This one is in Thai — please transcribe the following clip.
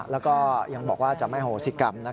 แล้วก็ยังบอกว่าจะไม่โหสิกรรม